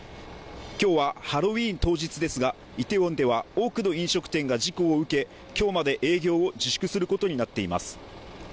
今日はハロウィーン当日ですがイテウォンでは多くの飲食店が事故を受け今日まで営業を自粛することになっています